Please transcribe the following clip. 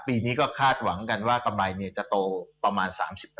ปีนี้ก็คาดหวังกันว่ากำไรเมียจะโตประมาณ๓๕